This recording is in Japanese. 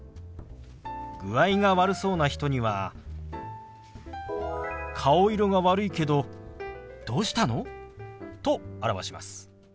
具合が悪そうな人には「顔色が悪いけどどうしたの？」と表します。